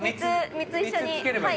３つ一緒にはい。